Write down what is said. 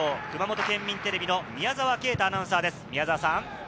熊本県民テレビの宮澤奎太アナウンサーです。